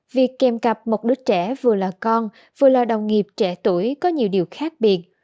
việc kèm cặp một đứa trẻ vừa là con vừa là đồng nghiệp trẻ tuổi có nhiều điều khác biệt